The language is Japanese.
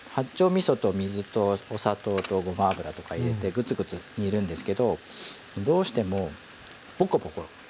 みそと水とお砂糖とごま油とか入れてグツグツ煮るんですけどどうしてもポコポコ出てくるんですよ。